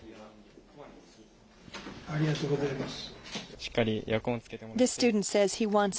ありがとうございます。